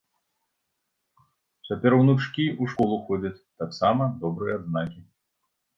Цяпер унучкі ў школу ходзяць, таксама добрыя адзнакі.